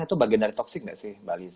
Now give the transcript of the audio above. itu bagian dari toxic gak sih mba lizzy